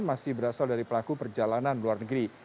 masih berasal dari pelaku perjalanan luar negeri